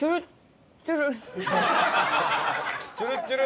ちゅるっちゅる。